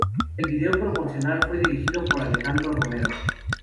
El vídeo promocional fue dirigido por Alejandro Romero.